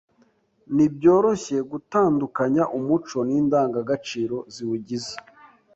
ntibyoroshye gutandukanya Umuco n’Indangagaciro ziwugize